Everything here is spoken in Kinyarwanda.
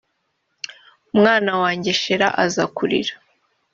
umwana wanjye shela azakurira